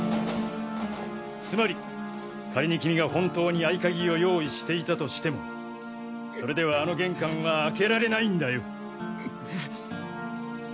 つまり仮にキミが本当に合鍵を用意していたとしてもそれではあの玄関は開けられないんだよ。